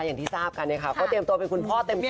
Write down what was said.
อย่างที่ทราบกันเนี้ยค่ะเขาเตรียมตัวเป็นคุณพ่อเต็มตัวแล้ว